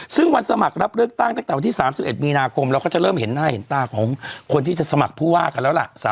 ซึ่งวันสมัครรับเลือกตั้งตั้งแต่วันที่๓๑มีนาคมเราก็จะเริ่มเห็นหน้าเห็นตาของคนที่จะสมัครผู้ว่ากันแล้วล่ะ